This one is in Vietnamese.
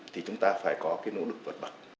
thì chúng ta phải có cái nỗ lực vượt bậc